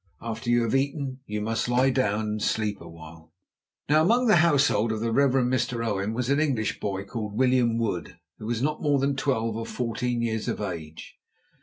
After you have eaten it you must lie down and sleep a while." Now among the household of the Reverend Mr. Owen was an English boy called William Wood, who was not more than twelve or fourteen years of age.